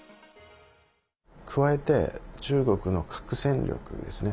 加えて中国の核戦力ですね。